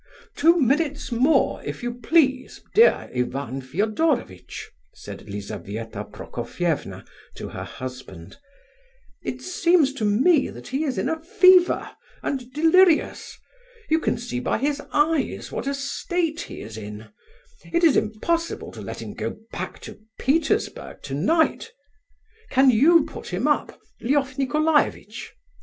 "Two minutes more, if you please, dear Ivan Fedorovitch," said Lizabetha Prokofievna to her husband; "it seems to me that he is in a fever and delirious; you can see by his eyes what a state he is in; it is impossible to let him go back to Petersburg tonight. Can you put him up, Lef Nicolaievitch?